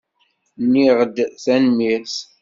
Nniɣ-d tanemmirt.